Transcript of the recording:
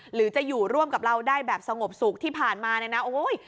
หรือจะอยู่ร่วมกับเราได้แบบสงบสุขที่ผ่านมาเนี่ยนะโอ้ย